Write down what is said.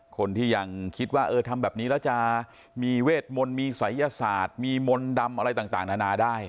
คนที่ยังคิดว่าเออทำแบบนี้แล้วจะมีเวทมนต์มีศัยยศาสตร์มีมนต์ดำอะไรต่างนานาได้